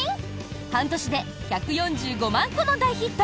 半年で１４５万個の大ヒット！